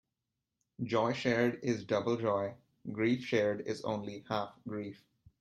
Joy shared is double joy; grief shared is only half grief.